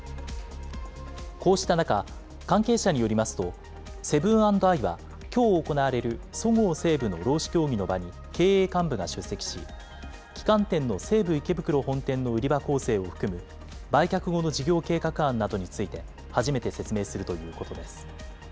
こうした中、関係者によりますと、セブン＆アイはきょう行われるそごう・西武の労使協議の場に経営幹部が出席し、旗艦店の西武池袋本店の売り場構成を含む、売却後の事業計画案などについて、初めて説明するということです。